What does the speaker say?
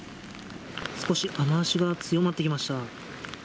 少し雨足が強まってきました。